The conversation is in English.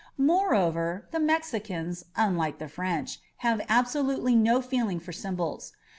Moreover, tbe Mexicans, nn m^^ th^ Frencb, bave absolutely no feeling for sym tnvU.